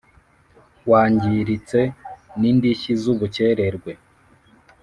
Wangiritse n indishyi z ubukererwe